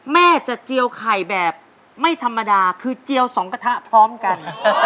แม่จะเจียวไข่แบบไม่ธรรมดาคือเจียวสองกระทะพร้อมกัน